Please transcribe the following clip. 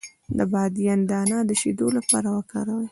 د بادیان دانه د شیدو لپاره وکاروئ